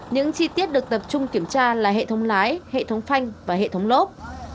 những chi tiết được tập trung kiểm tra là hệ thống lái hệ thống phanh và hệ thống lốp